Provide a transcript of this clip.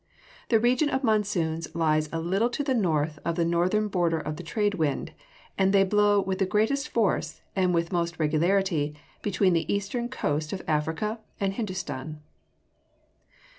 The region of monsoons lies a little to the north of the northern border of the trade wind, and they blow with the greatest force, and with most regularity, between the eastern coast of Africa and Hindustan.